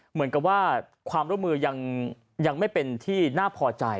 เหมือนกับว่าความร่วมมือยังไม่เป็นที่น่าพอใจ